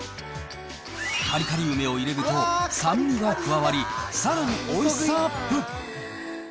カリカリ梅を入れると、酸味が加わり、さらにおいしさアップ。